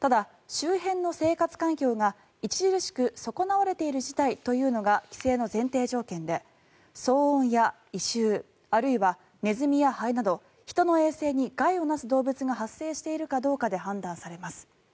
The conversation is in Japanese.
ただ、周辺の生活環境が著しく損なわれている事態というのが規制の前提条件で、騒音や異臭あるいはネズミやハエなど人の衛生に害をなす動物が発生しているかどうかで判断されます。